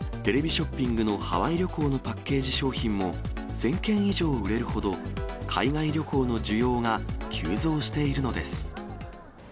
また、テレビショッピングのハワイ旅行のパッケージ商品も１０００件以上売れるほど、海外旅行の需要が急増しているのです。